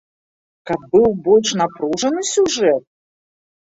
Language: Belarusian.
Каб быў больш напружаны сюжэт?